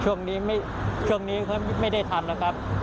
ช่วงนี้ช่วงนี้เขาไม่ได้ทำแล้วครับ